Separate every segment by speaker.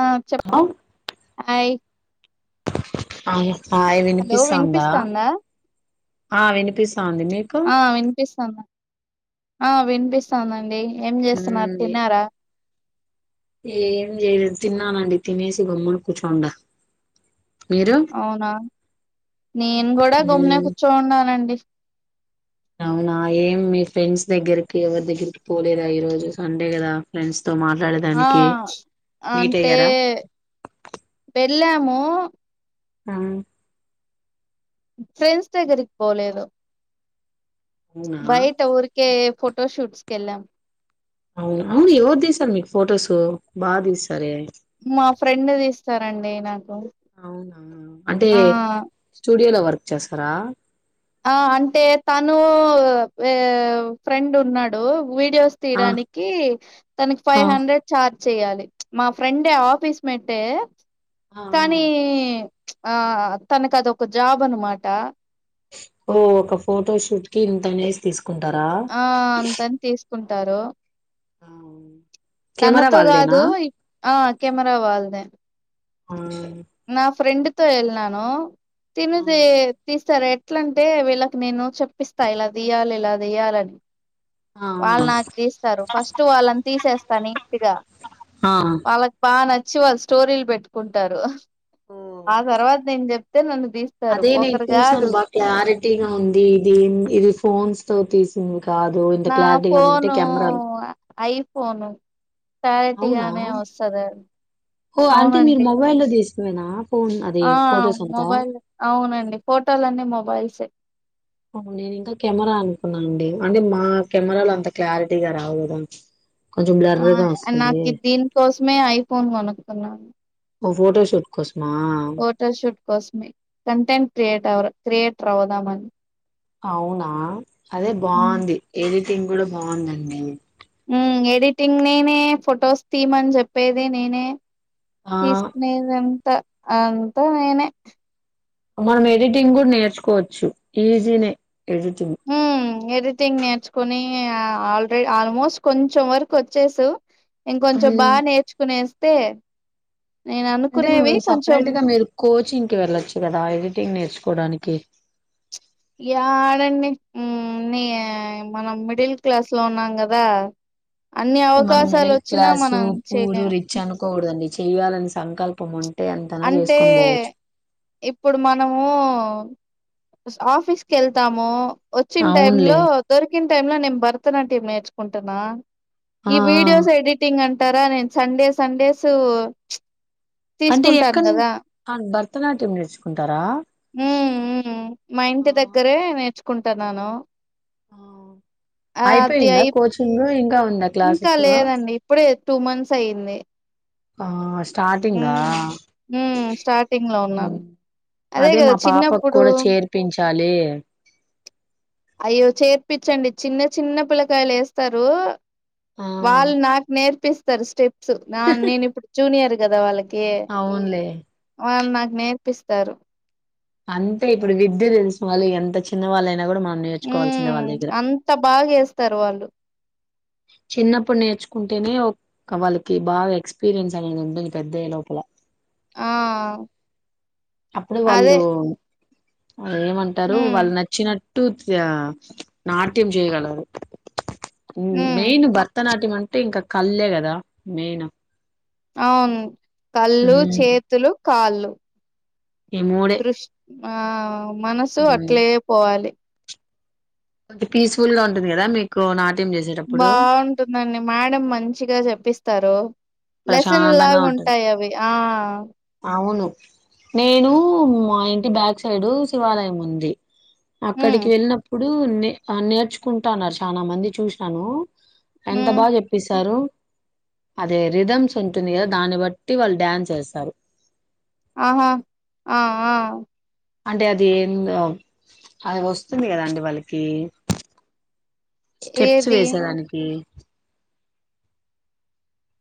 Speaker 1: ఆ చెప్ప ఆయ్
Speaker 2: ఆయా హాయ్ వినిపిస్తాందా ఆ వినిపిస్
Speaker 1: ఆ వినిపిస్తాంది ఆ వినిపిస్తాందండి ఏం చేస్తున్నారు
Speaker 2: మ్మ్
Speaker 1: తిన్నారా
Speaker 2: ఏం చేయలేదు తిన్నానండి తినేసి గమ్మున కూర్చుండ
Speaker 1: అవునా నేను కూడా గమ్మున కూర్చోన్నానండి
Speaker 2: అవునా ఏం మీ ఫ్రెండ్స్ దగ్గరకి ఎవరి దగ్గరికి పోలేదా ఈ రోజు సండే కదా ఫ్రెండ్స్ తో
Speaker 1: ఆ
Speaker 2: మాట్లాడేదానికి మీట్
Speaker 1: అంటే
Speaker 2: అయ్యారా
Speaker 1: ఏమో
Speaker 2: ఆ
Speaker 1: ఫ్రెండ్స్ దగ్గరికి పోలేదు
Speaker 2: అవునా
Speaker 1: బయట ఊర్కే ఫోటోషూట్స్ కి ఎళ్ళాం
Speaker 2: అవునా ఎవరు తీస్తారు మీకు ఫోటోసు బా దీస్
Speaker 1: మా ఫ్రెండ్ తీస్ స్తారండి నాక్
Speaker 2: అవునా అంటే స్టూడియో లో వ వచ్చేస్తారా
Speaker 1: ఆ అంటే తను ఫ్రెండ్ ఉన్నాడు వీడియోస్
Speaker 2: ఆ
Speaker 1: తీయడానికి తనకి ఫైవ్
Speaker 2: ఆ
Speaker 1: హండ్రెడ్ చార్జ్ చెయ్యాలి మా ఫ్రెండు ఆఫీస్ పెట్టే కానీ ఆ తనకు అది ఒక జాబ్ అనమాట
Speaker 2: ఓ ఒక ఫోటోషూట్ కి ఇంతనేసి తీసుకు
Speaker 1: ఆ అంతని తీస్, కుంటారు,
Speaker 2: కెమెరా
Speaker 1: తనతో
Speaker 2: వాళ్ళదేనా
Speaker 1: కాదు ఆ కెమెరా వాళ్ళదే,
Speaker 2: ఆ
Speaker 1: నా ఫ్రెండ్, వెల్లినను తినిది తీస్తారు ఎట్లంటే వీళ్ళకి నేను చెప్పిస్తా ఇలా తీయ్యాలి ఇలా తీయాలని,
Speaker 2: ఆ
Speaker 1: వాళ్ళు నాకు తీస్తారు ఫస్ట్ వాళ్ళని తీసేస్తా, కానీ
Speaker 2: ఆ
Speaker 1: వాళ్ళకి బాగా నచ్చి, వచ్చి వాళ్ళు స్టోరీలు పెట్టుకుంటారు, ఆ తర్వాత నేను చెప్ప,
Speaker 2: అదే నేను చూసాను బాగా క్లారిటీగా ఉంది ఇది ఇది ఫోన్స్, తో తీసింది, కాదు ఇంత
Speaker 1: నా
Speaker 2: క్లారిటీగా ఉందంటే
Speaker 1: ఫోను
Speaker 2: కెమెరాలు
Speaker 1: ఐ పోను
Speaker 2: అవునా
Speaker 1: క్లారిటీగానే వస్తది అది అవునండి,
Speaker 2: తో నే
Speaker 1: ఆ మొబైల్ అవునండి ఫోటోలన్నీ మొబైల్, చే
Speaker 2: నేను ఇంకా కెమెరా అనుకున్నాను, అండి అంటే మా కెమెరాలో అంత క్లారిటీగా రావు కదా, కొంచెం బ్లర్ గా
Speaker 1: ఆ
Speaker 2: వస్తుంది
Speaker 1: నాకు దీనికోసమే ఐఫోన్ కొనుకున్నాను
Speaker 2: ఓ ఫోటోషూట్ కోసమా
Speaker 1: ఫోటోషూట్ కోసమే కంటెంట్ క్రియేటర్, క్రియేటర్ అవుదామని,
Speaker 2: అవునా అదే బాగుంది ఏది టింగ్ కూడా బాగుందండి,
Speaker 1: ఎడిటింగ్ నేనే ఫొటోస్ తీమని చెప్పేది నేనే,
Speaker 2: ఆ
Speaker 1: తీసుకునే దా అంతా నేనే
Speaker 2: మనం ఎడిటింగ్ కూడా నేర్చుకోవచ్చు ఈజీనే ఎడిటింగ్,
Speaker 1: హ్మ్ ఎడిటింగ్ నేర్చుకుని ఆల్రెడీ ఆల్మోస్ట్ కొంచెం వరకు వచ్చేసు, ఇంకొంచెం
Speaker 2: ఉమ్,
Speaker 1: బాగా నేర్చుకునే పే
Speaker 2: అంటే సపరేట్ గా మీరు కోచింగ్, వెళ్ళొచ్చు కదా ఎడిటింగ్ నేర్చుకోవడానికి,
Speaker 1: ఎడండి హు ని మనం మిడిల్ క్లాస్ లో ఉన్నాం కదా, అన్ని
Speaker 2: మనం
Speaker 1: అవకాశాలు
Speaker 2: మిడిల్
Speaker 1: వచ్చినా
Speaker 2: క్లాసు
Speaker 1: మనం
Speaker 2: పూరు
Speaker 1: చేయలేం
Speaker 2: రిచ్ అనుకోకూడదండి. చెయ్యాలని సంకల్పం ఉంట్.
Speaker 1: అంటే ఇప్పుడు మనమూ ఆఫీస్ కెళ్తాము. వచ్చిన టైమ్
Speaker 2: అవునులే
Speaker 1: లో దొరికిన్ టైమ్ లో నేను భరతనాట్యం నేర్చుకుంటున్నా.
Speaker 2: ఆ ఆ.
Speaker 1: ఈ వీడియోస్ ఎడిటింగ్ అంట్ టారా నేను సండే సండేసు
Speaker 2: అంటే ఎక్కడ్ నుంచ్ ఆ బర్త్ ర్తనాట్యం నేర్చుకుంటారా.
Speaker 1: ఊ ఊ మా
Speaker 2: ఆ,
Speaker 1: ఇంటి దగ్గరే నేర్చుక్ కుంటన్నాను.
Speaker 2: ఔ అయిపోయిందా
Speaker 1: అయిప్
Speaker 2: కోచింగ్ ఇంకా ఉంద్
Speaker 1: ఇంకా లేదండి. ఇప్పుడే టూ మంత్స్ అయ్యింది.
Speaker 2: ఫాస్ట్ స్టార్టింగ్ గా
Speaker 1: హ్మ్. స్టార్టింగ్‌లో ఉన్నాను.
Speaker 2: అదే
Speaker 1: గదా
Speaker 2: మా పాపకు
Speaker 1: చిన్నప్పుడు
Speaker 2: కూడా చేర్పించాలి.
Speaker 1: అయ్యో చేర్పించండి. చిన్న చిన్న పిల్లకాయలు వేస్తరూ.
Speaker 2: ఆ
Speaker 1: వాళ్ నాకు నేర్పిస్ తరు స్టేప్ ప్స్ నా నేను ఇప్పుడు జూనియర్. గద వాళ్ళక్ కే
Speaker 2: అవునులే
Speaker 1: వాళ్ నాక్ నేర్పిస్తారు.
Speaker 2: అంతే ఇప్పుడు విద్య తెలుసిన వాళ్ళు ఎంత చిన్న వాళ్ళయినా కూడా మాక్
Speaker 1: ఊ అంత బాగా వేస్తరు వాళ్ళు
Speaker 2: చిన్నప్పుడు నేర్చుకుంటేనే ఒక వాళ్ళకి బాగా ఎక్స్పీరియన్స్ అనేది ఉంటుంది పెద్దయ్యే లోపల
Speaker 1: ఆ
Speaker 2: అప్పుడు
Speaker 1: అదే.
Speaker 2: వాళ్ళు వాళ్ళనేమంటారు
Speaker 1: హ్మ్.
Speaker 2: వాళ్ నచ్చినట్ ట్టు జా నాట్యం చేయగలరు మ్
Speaker 1: హ్మ్.
Speaker 2: మెయిన్ భరతనాట్యం అంట్ టే ఇంకా కళ్ళే కదా మెయిన్.
Speaker 1: అవును కళ్ళు
Speaker 2: ఉమ్,
Speaker 1: చేతులు కాళ్ళు
Speaker 2: ఇ మూడే
Speaker 1: దృష్ ఆ మనసు
Speaker 2: ఉమ్,
Speaker 1: అట్లే పోవాలి
Speaker 2: కొంచ పీస్ఫుల్ గా ఉంటుంది కదా మీకు నా
Speaker 1: బాగుంటుందండి మేడం మంచిగా చెప్ ప్పిస్తారు లెసన్
Speaker 2: ప్రశాంతంగా
Speaker 1: లాగా
Speaker 2: ఉంటుంది
Speaker 1: ఉంటాయి అవి ఆ
Speaker 2: అవును నేను మా ఇంటి బ్యాక్ సైడ్ శివాలయం ఉంది
Speaker 1: ఉమ్
Speaker 2: అక్కడికి వెళ్ళినప్పుడు ఇప్పుడు నే నేర్చుకుంటన్నారు చాలా మంది చూసినాను ఎంత
Speaker 1: ఉమ్
Speaker 2: బాగా చెప్పేసారు అదే రిథమ్స్ ఉంటుంది కదా దాన్ని బట్టి వాళ్ళు డ్యాన్స్ ఎస్తారు
Speaker 1: ఆహా ఆ ఆ
Speaker 2: అంటే అది ఎందో అది వస్తుంది కదా అండి వాళ్ళకి స్టెప్స్
Speaker 1: ఏది
Speaker 2: వేసేదానికి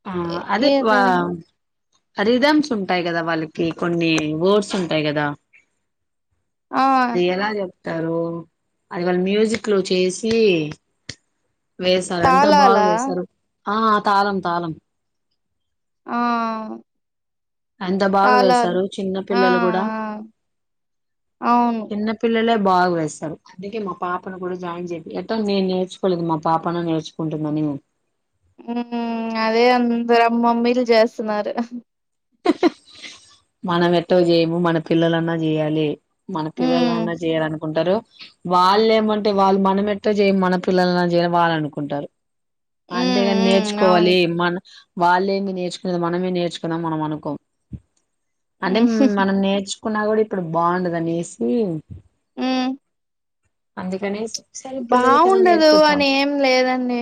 Speaker 2: ఆ
Speaker 1: ఏ
Speaker 2: అదే వా
Speaker 1: ఏది
Speaker 2: రిథమ్స్ ఉంటాయి కదా వాళ్ళకి కొన్ని వర్డ్స్ ఉంటాయి కదా
Speaker 1: ఆ
Speaker 2: అది ఎలా చే తారు అది వాళ్ళ మ్యూజిక్ లో చేసి వేశారు ఎంత బాగా
Speaker 1: తాళాలా
Speaker 2: వేశారు ఆ తాళం తాలం
Speaker 1: ఆ
Speaker 2: ఎంత బాగా
Speaker 1: తాళాలు
Speaker 2: వేశారు చిన్న
Speaker 1: ఆ
Speaker 2: పిల్లలు కూడా
Speaker 1: ఆ అవును
Speaker 2: చిన్న పిల్లలే బాగు వేస్తారు అందుకే మా పాపను కూడా జాయిన్ చెపి ఎటో నేను నేర్చుకోలేదు మా పాపను నేర్చుకుంటుందని
Speaker 1: ఉ అదే అందరు అమ్మమ్మీలు చేస్తున్నారు
Speaker 2: మనం ఎటో చేయము మన పిల్లలన్నా చేయాలి మన
Speaker 1: ఉమ్
Speaker 2: పిల్లలన్నా చేయాలను కుంటరు వాళ్ళు ఏమంటే వాళ్ళు మనం ఎట్ చేయం మన పిల్లల చేయ వాళ్ళ అనుకుంటారు
Speaker 1: ఉమ్
Speaker 2: అంతేగాని
Speaker 1: ఉమ్
Speaker 2: నేర్చుకోవాలి
Speaker 1: అవును
Speaker 2: మన వాళ్ళేమి నేర్చుకునేది మనమే నేర్చుకున్నాం మనం అను కొం అంటే మనం నేర్చు కున్నా కూడా ఇప్పుడు బాగుండదనేసి
Speaker 1: ఉమ్
Speaker 2: అందుకనేస్
Speaker 1: బాగుండదు అని ఏం లేదండి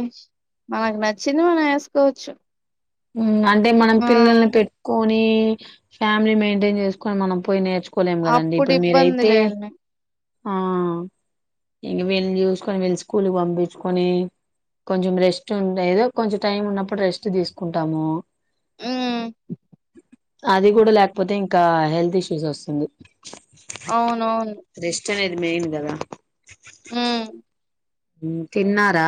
Speaker 1: మనకు న చింది మనం వేసుకోవచ్చు
Speaker 2: ఉమ్ అంటే మనం పిల్లల్ని పెట్టుకో నీ ఫ్యామిలీ మెయింటైన్ చేసుకోని మనం పోయి నేర్చ్ కోలేం కదండి
Speaker 1: అప్పుడు
Speaker 2: ఇప్పుడు మీరైతే
Speaker 1: ఇబ్బందిలేండి.
Speaker 2: ఆ ఇంక వీళ్ళని చూసుకొని వెళ్ళి స్కూల్కి పంపించుకోని. కొంచెం రెస్ట్ ఉండ్ ఏదో కొంచెం టైం ఉన్నప్పుడు రెస్ట్ తీస్ కుంటాము
Speaker 1: హ్మ్.
Speaker 2: అది కూడా లేకపోతే ఇంకా హెల్త్ ఇష్యూస్ వస్తుంది
Speaker 1: అవునవును
Speaker 2: రెస్ట్ మెయిన్ కదా
Speaker 1: ఉమ్
Speaker 2: తిన్నారా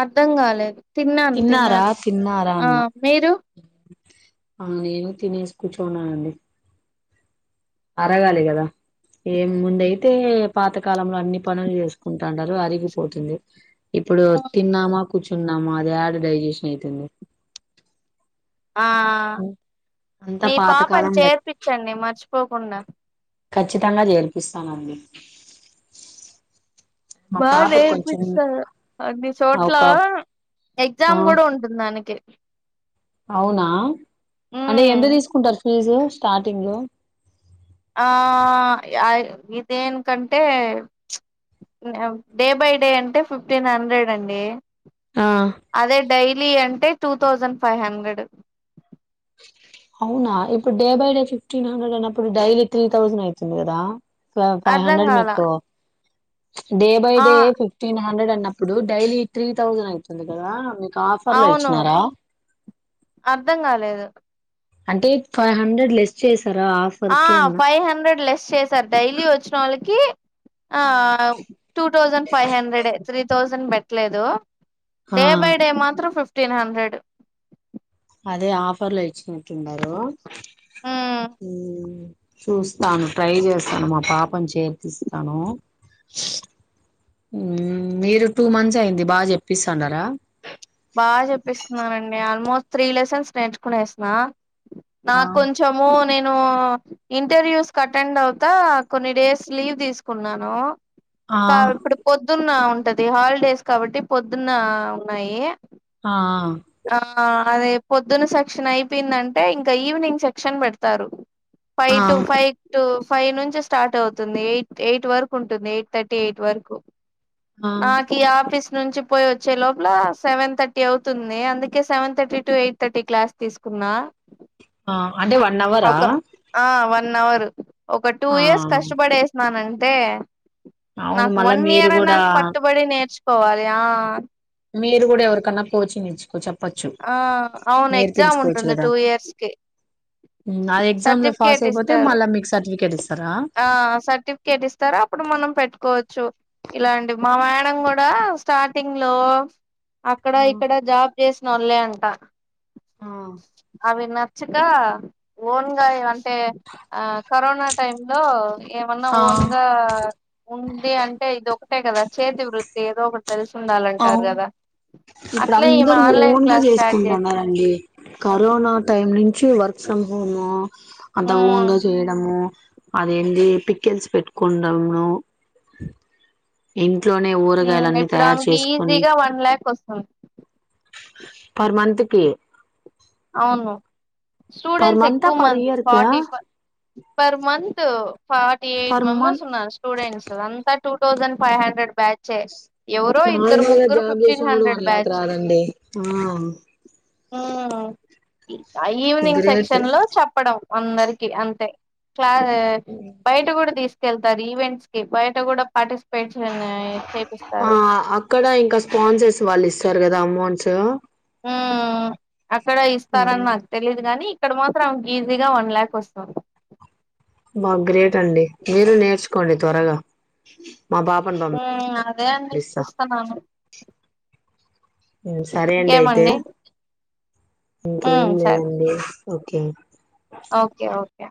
Speaker 1: అర్ధం కాలేదు తిన్నాను
Speaker 2: తిన్నారా
Speaker 1: తిన్నాను
Speaker 2: తిన్నారా
Speaker 1: ఆ
Speaker 2: అన్న
Speaker 1: మీరు
Speaker 2: ఆ నేను తినేసి కూర్చున్నానండి అరగాలి కదా ఏం ముందయితే పాతకాలం అన్ని పనులు చేసుకుంటా అరిగిపోతుంది ఇప్పుడు తిన్నామా కూర్చున్నామా అది ఏడ డైజెషన్ అయితుంది
Speaker 1: ఆ
Speaker 2: అంతా
Speaker 1: మీ పాపని
Speaker 2: పాతకాలం లె
Speaker 1: చేర్పించండి మర్చిపోకుండా
Speaker 2: ఖచ్చితంగా చేర్పిస్తానండి మా
Speaker 1: బాగా
Speaker 2: పాపకు కొంచెం
Speaker 1: నేర్పిస్తారు అన్ని
Speaker 2: ఒక
Speaker 1: చోట్లా
Speaker 2: ఆ
Speaker 1: ఎగ్జామ్ కూడా ఉంటుందానికి
Speaker 2: అవునా అంటే
Speaker 1: హ్మ్.
Speaker 2: ఎంత తీసుకుంటారు ఫీజు స్టార్టింగ్ లో
Speaker 1: ఆ ఇదేనికంటే డే బై డే అంటే ఫిఫ్టీన్ హండ్రెడ్ అండి అదే డైలీ అంటే టూ థౌజండ్ ఫైవ్ హండ్రెడ్
Speaker 2: అవునా ఇప్పుడు day by day fifteen hundred అన్నప్పుడు డైలీ త్రీ థౌజండ్ అవుతుంది కదా ఫైవ్
Speaker 1: అర్ధం
Speaker 2: హండ్రెడ్
Speaker 1: కాల
Speaker 2: మీకు డే బై
Speaker 1: ఆ
Speaker 2: డే ఫిఫ్టీన్ హండ్రెడ్ అన్నప్పుడు డైలీ త్రీ తౌసండ్ అయితుంది కదా ఆఫర్ లో
Speaker 1: అవును
Speaker 2: ఇచ్చినారా
Speaker 1: అర్థం కాలేదు
Speaker 2: అంటే ఫైవ్ హండ్రెడ్ లెస్ చేస్
Speaker 1: ఆ ఫైవ్ హండ్రెడ్ లెస్ చేసారు డైలీ వచ్చిన వాళ్ళకి ఆ two thousand five hundred three thousand పెట్టలేదు
Speaker 2: ఆ
Speaker 1: డే బై డే మాత్రం ఫిఫ్ ఫ్టీన్ హండ్రెడ్
Speaker 2: అదే ఆఫర్ లో ఇచ్చినట్టుండారు.
Speaker 1: ఉమ్
Speaker 2: హ చూస్తాను ట్రై చేస్తాను. మా పాపను చేర్పిస్తాను. మీరు టూ మంత్స్ అయింది బాగా చెప్పిస్తాండారా.
Speaker 1: బాగా చెప్పిస్తున్నానండి ఆల్మోస్ట్ త్రీ లెసెన్స్ నేర్చుకునేసన్నా.
Speaker 2: ఆ
Speaker 1: నాకు కొంచము నేన్ ను ఇంటర్వ్యూస్ అటెండ్ అవుతా కొన్ని డేస్ లీవ్ తీసుకున్నాను.
Speaker 2: ఆ
Speaker 1: కా ఇప్పుడు పొద్ ద్దున్న ఉంటది హాలిడేస్ కాబట్టి పొద్దున్న ఉన్నాయి
Speaker 2: ఆ
Speaker 1: ఆ ఆ అదే పొద్దున్న సెక్షన్ అయిపోయిందంటే ఇంకా ఈవినింగ్ సెక్షన్ పెడతారు. Five to five to five నుంచి స్టార్ట్ అవుతుంది ఎయిట్ ఎయిట్ వరకు ఉంటుంది. ఎయిట్ థర్టీ ఎయిట్ వరకు
Speaker 2: ఆ
Speaker 1: మాకి ఆఫీస్ నుంచి పోయి వచ్చే లోపల సెవెన్ థర్టీ అవుతుంది. అందుకే seven thirty to eight thirty class తీసుకున్నా
Speaker 2: ఆ అది వన్ అవరా
Speaker 1: న్ అవర్ ఒక టూ
Speaker 2: ఆ
Speaker 1: ఇయర్స్ కష్టపడేసన్నానం టే
Speaker 2: అవును
Speaker 1: నాకు
Speaker 2: మళ్ళా
Speaker 1: వన్
Speaker 2: మీరు
Speaker 1: ఇయరే
Speaker 2: కూడా
Speaker 1: పట్టుబడి నేర్చు పోవాలి ఆ
Speaker 2: మీరు కూడా ఎవరికన్నా కోచింగ్ ఇచ్చుకోవచ్ చె ప్పొచ్చు
Speaker 1: ఆ అవును ఎగ్జామ్
Speaker 2: నేర్పించుకోచ్చు
Speaker 1: ఉంటుంది
Speaker 2: కదా
Speaker 1: టూ ఇయర్స్ కి
Speaker 2: ఆహ్ ఎగ్జామ్ లో పాస్
Speaker 1: సర్టిఫికేట్
Speaker 2: అయిపోతే
Speaker 1: ఇస్తారు
Speaker 2: మళ్ళ మీకు సర్టిఫికేట్ ఇస్
Speaker 1: ఆ సర్టిఫికేట్ ఇస్తారూ అప్పుడు మనం పెట్టుకోవచ్చు. ఇలా అండి మా మేడం కూడా స్టార్టింగ్ లో అక్కడ ఇక్కడ జాబ్ చేస్ నోలే అంట అవే నా చక ఓన్గాయ అంటే ఆ కరోనా టైమ్ లో ఏమన్నా
Speaker 2: ఆ
Speaker 1: ఓన్ గా ఉంది అంటే ఒకటే కదా చేతి వృత్తి ఏదో తెలిసుండాలంటారు
Speaker 2: అవును
Speaker 1: కదా
Speaker 2: ఇప్పుడు
Speaker 1: అట్లే ఈమె
Speaker 2: అందరు
Speaker 1: ఆన్లైన్
Speaker 2: ఓన్ గా
Speaker 1: క్లాస్ స్టార్ట్ చేసి
Speaker 2: చేసుకుంటున్నారండి కరోనా టైమ్ చ్చి వర్క్ ఫ్రమ్ హోమ్ అంత ఓన్
Speaker 1: ఉమ్,
Speaker 2: చేయడము అదేంది పికెల్స్ పెట్టుకొండము ఇం ట్లోనే ఊరగాయలన్నీ తయారు చే
Speaker 1: ఈసీగా వన్ ల్యాక్ వస్తుం
Speaker 2: పర్ మంత్ కి
Speaker 1: అవును
Speaker 2: పర్
Speaker 1: స్టూడెంట్స్
Speaker 2: మంతా
Speaker 1: ఎక్కువ
Speaker 2: పర్
Speaker 1: మంది
Speaker 2: ఇయర్ కా
Speaker 1: ఫార్టీ ఫ per month forty eight
Speaker 2: per Mann
Speaker 1: members ఉన్నారు స్టూడెంట్స్ అంత. టూ తౌసండ్ ఫై హండ్రెడ్ బ్యాచే ఎవరో ఇద్దరు
Speaker 2: నార్మల్గా
Speaker 1: ముగ్గురు
Speaker 2: జాబ్
Speaker 1: ఫిఫ్టీన్
Speaker 2: చేసినా కూడా
Speaker 1: హండ్రెడ్
Speaker 2: వన్ లాక్ రాదండి ఆ
Speaker 1: ఉ ఆ ఈవినింగ్
Speaker 2: గ్రేట్
Speaker 1: సెక్షన్ లో చెప్పడం అందరికి అంతే క్లారెంట్ బయట కూడా తీస్ కేర్ళ్తారు ఈవెంట్స్ కి బయట కూడా పార్టి
Speaker 2: ఆ అక్కడ ఇంకా స్పాన్సెస్ వాళ్ళు ఇస్తా స్తారు కదా అమౌంట్స్
Speaker 1: ఉ అక్కడ ఇస్తారన్ నాకు తెలీదు గాని ఇక్కడ మాత్రం ఈజీగా వన్ ల్యాక్ వస్తుాం
Speaker 2: బా గ్రేట్ అండి మీరు నేర్చుకోండి త్వరగా మా పాపను
Speaker 1: ఉ అదే అండి
Speaker 2: పంపిస్తా
Speaker 1: చూస్తన్నాను
Speaker 2: ఉమ్ సరే అండి అయితే ఇంకేం
Speaker 1: ఉమ్ సరే
Speaker 2: లేదండి ఓకే
Speaker 1: ఓకే ఓకే